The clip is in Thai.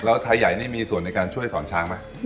แล้วไทยใหญ่นี่มีส่วนในการช่วยสอนช้างไหม